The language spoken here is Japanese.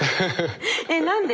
えっ何で？